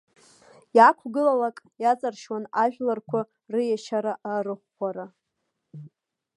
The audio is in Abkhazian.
Иаақәгылалак иаҵыршьуан ажәларқәа рыиашьара арыӷәӷәара.